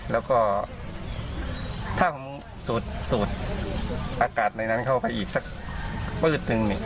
แล้วก็ถ้าผมสูดอากาศในนั้นเข้าไปอีกสักปืดนึงเนี่ย